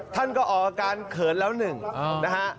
ท่านก็ออกอาการเขินแล้วหนึ่งนะฮะ